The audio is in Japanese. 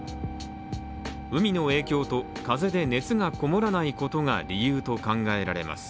海の影響と、風で熱がこもらないことが理由と考えられます。